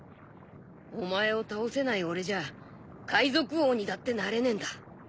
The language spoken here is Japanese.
お前を倒せない俺じゃ海賊王にだってなれねえんだ。